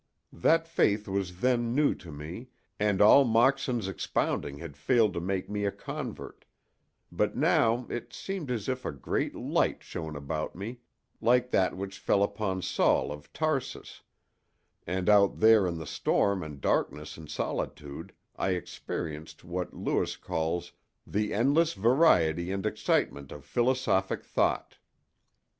That faith was then new to me, and all Moxon's expounding had failed to make me a convert; but now it seemed as if a great light shone about me, like that which fell upon Saul of Tarsus; and out there in the storm and darkness and solitude I experienced what Lewes calls "The endless variety and excitement of philosophic thought."